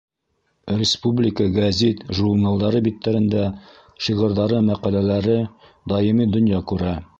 Республика гәзит, журналдары биттәрендә шиғырҙары, мәҡәләләре даими донъя күрә.